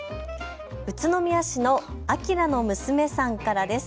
宇都宮市の明の娘さんからです。